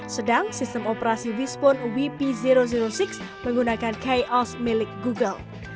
sedang sistem operasi wispon wip enam menggunakan kaios milik google